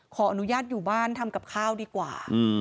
ขออนุญาตอยู่บ้านทำกับข้าวดีกว่า